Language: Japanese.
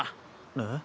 えっ？